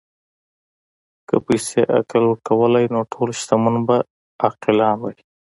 که پیسې عقل ورکولی، نو ټول شتمن به عاقلان وای.